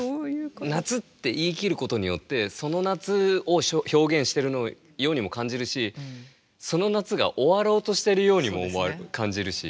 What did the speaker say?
「夏」って言い切ることによってその夏を表現してるようにも感じるしその夏が終わろうとしてるようにも感じるし。